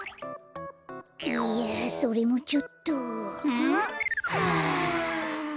いやあそれもちょっと。はあ。